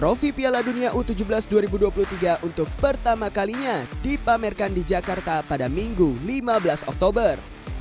trofi piala dunia u tujuh belas dua ribu dua puluh tiga untuk pertama kalinya dipamerkan di jakarta pada minggu lima belas oktober